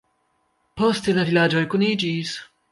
Poste la vilaĝoj kuniĝis.